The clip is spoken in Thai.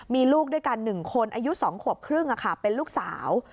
มีลูกด้วยกัน๑คนอายุ๒ขวบครึ่งเป็นลูกสาว